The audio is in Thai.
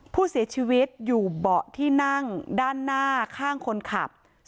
ผู้เสียชีวิตอยู่เบาะที่นั่งด้านหน้าข้างคนขับ